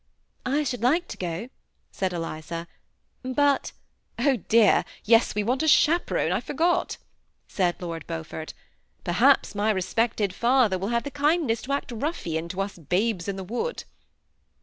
« I should like to go," said Eliza, « but "" Oh dear ! yes, we want a chaperone, I forgot," said Lord Beaufort; "perhaps my respected father will have the kindness to act ruffian to us babes in the wood."